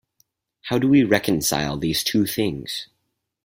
How do we reconcile these two things?